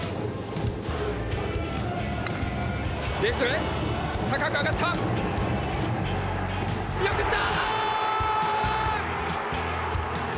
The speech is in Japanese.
レフトへ高く上がった。